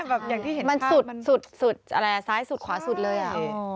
แบบอย่างที่เห็นภาพมันใช่มันสุดซ้ายสุดขวาสุดเลยอ่ะ